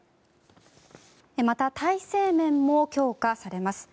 また、体制面も強化されます。